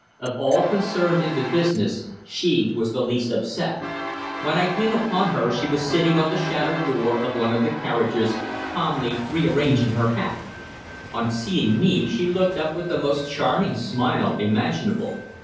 Of all concerned in the business, she was the least upset. When I came upon her she was sitting on the shattered door of one of the carriages, calmly rearranging her hat. On seeing me she looked up with the most charming smile imaginable.